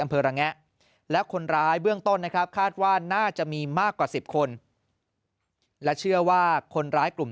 อำเภอระแงะและคนร้ายเบื้องต้นนะครับคาดว่าน่าจะมีมากกว่า๑๐คนและเชื่อว่าคนร้ายกลุ่ม